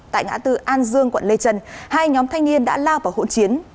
tại ngã tư an dương quận lê trân hai nhóm thanh niên đã lao vào hỗn chiến